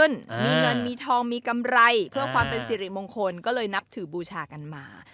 มีเงินมีทองมีกำไรเพื่อความเป็นสิริมงคลก็เลยนับถือบูชากันมา